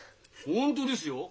本当ですよ？